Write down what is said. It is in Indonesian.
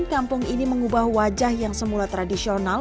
kampung ini mengubah wajah yang semula tradisional